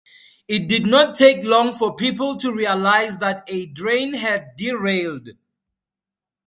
It did not take long for people to realize that a train had de-railed.